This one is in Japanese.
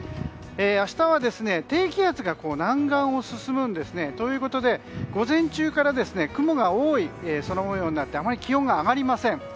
明日は低気圧が南岸を進むんですね。ということで、午前中から雲が多い空模様になってあまり気温が上がりません。